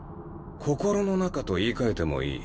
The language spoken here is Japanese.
「心の中」と言いかえてもいい。